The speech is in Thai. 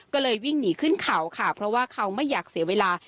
ก็เลยวิ่งหนีขึ้นเขาค่ะเพราะว่าเขาไม่อยากเสียเวลา